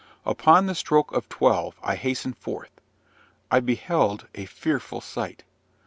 Upon the stroke of twelve I hastened forth. I beheld a fearful sight.